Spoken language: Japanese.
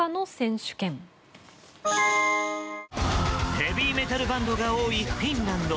ヘヴィメタルバンドが多いフィンランド。